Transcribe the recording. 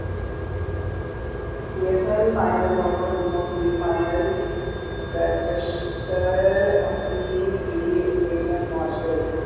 پی S L final دونوں ٹیموں کی فائنل پریکٹسٹرافی بھی اسٹیڈیم پہنچ گئی